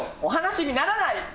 お話にならない！」。